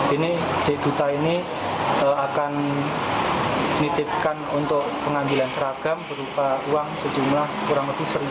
ini de duta ini akan nitipkan untuk pengambilan seragam berupa uang sejumlah kurang lebih seribu